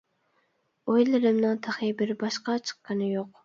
ئويلىرىمنىڭ تېخى بىر باشقا چىققىنى يوق.